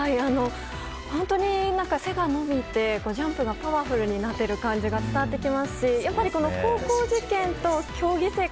本当に背が伸びてジャンプがパワフルになっている感じが伝わってきますし高校受験と競技生活。